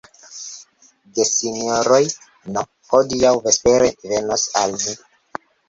Gesinjoroj N. hodiaŭ vespere venos al ni.